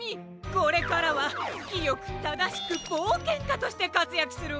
これからはきよくただしくぼうけんかとしてかつやくするわ！